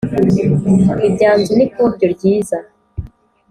Ibyanzu n’ikobyo ryiza